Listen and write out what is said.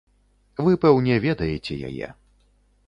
Вы, пэўне, ведаеце яе.